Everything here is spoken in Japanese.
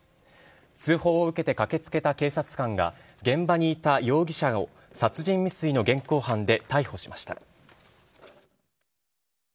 通報を受けて駆けつけた警察官が、現場にいた容疑者を殺人未遂の現行犯で逮捕しました。